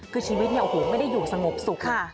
คือชีวิตนี้ไม่ได้อยู่สงบสุขค่ะ